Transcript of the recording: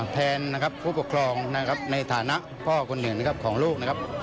แทนผู้ปกครองในฐานะพ่อคุณหนึ่งของลูก